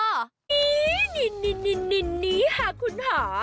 นี่นี่นี่นี่นี่นี่ฮะคุณห่อ